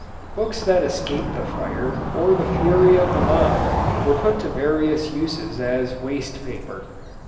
Books that escaped the fire or the fury of the mob were put to various uses as waste paper.